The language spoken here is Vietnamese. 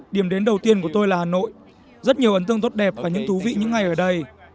điểm đến đầu tiên của tôi là hà nội rất nhiều ấn tương tốt đẹp và những thú vị những ngày ở đây